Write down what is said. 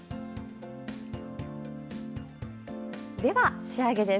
では、仕上げです。